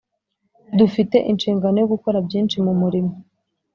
dufite inshingano yo gukora byinshi mu murimo